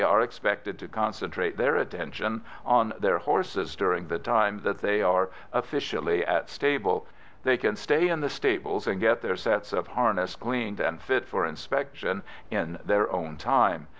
are expected to concentrate their attention on their horses during the time that they are officially at stables; they can stay in the stables and get their sets of harness cleaned and fit for inspection in their own time.